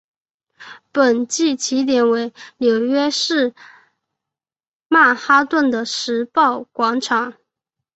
本季起点为纽约市曼哈顿的时报广场。